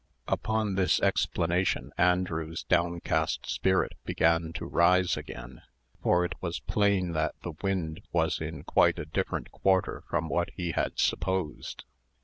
Upon this explanation, Andrew's downcast spirit began to rise again; for it was plain that the wind was in quite a different quarter from what he had supposed.